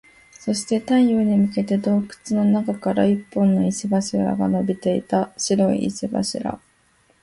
そして、太陽に向けて洞窟の中から一本の石柱が伸びていた。白い石柱。